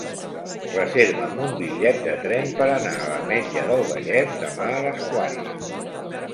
Reserva'm un bitllet de tren per anar a l'Ametlla del Vallès demà a les quatre.